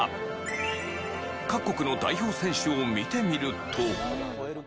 各国の代表選手を見てみると。